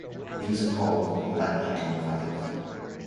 These are called the "collecting lymphatics".